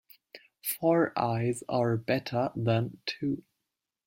Four eyes are better than two.